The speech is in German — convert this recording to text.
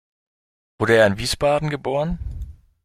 Wurde er in Wiesbaden geboren?